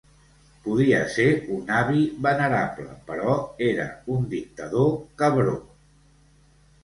Podia ser un avi venerable, però era un dictador cabró.